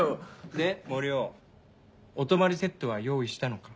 で森生お泊まりセットは用意したのか？